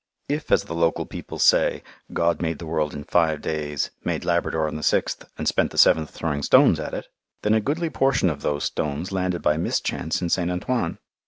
If, as the local people say, "God made the world in five days, made Labrador on the sixth, and spent the seventh throwing stones at it," then a goodly portion of those stones landed by mischance in St. Antoine.